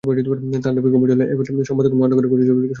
তাঁর দাবি, কমিটি হলে এবার তিনি মহানগরের কুটির শিল্পবিষয়ক সম্পাদক হবেন।